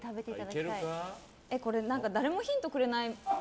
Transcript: これ、誰もヒントくれない。